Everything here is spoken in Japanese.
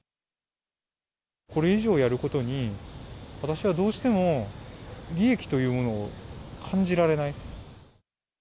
これ以上、やることに私はどうしても利益というものを感じられない。